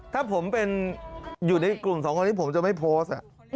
ถ้าผมเป็นอยู่ในกลุ่ม๒คนผมจะไม่โพส